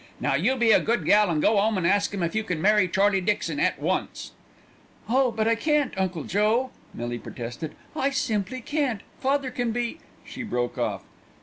"Now you be a good gal and go 'ome and ask 'im if you can marry Charlie Dixon at once." "Oh! but I can't, Uncle Joe," Millie protested; "I simply can't. Father can be " She broke off.